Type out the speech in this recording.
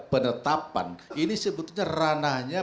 penetapan ini sebetulnya ranahnya